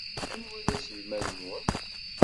Anwa ay d aselmad-nwen?